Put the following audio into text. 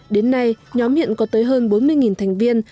đến nay nhóm hiện có tới hơn bốn mươi thành viên